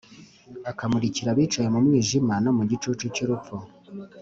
Ukamurikira abicaye mu mwijima no mu gicucu cy’urupfu,